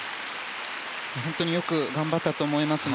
本当によく頑張ったと思いますね。